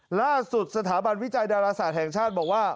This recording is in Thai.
ล่าสุดสถาบันวิจัยดาราศาสตร์แห่งชาติบอกว่า